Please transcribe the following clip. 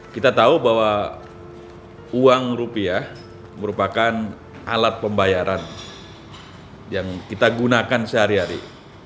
kita tahu bahwa uang rupiah merupakan alat pembayaran yang kita gunakan sehari hari